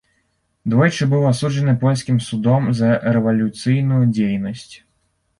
Двойчы быў асуджаны польскім судом за рэвалюцыйную дзейнасць.